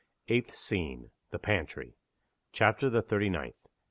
EIGHTH SCENE THE PANTRY. CHAPTER THE THIRTY NINTH.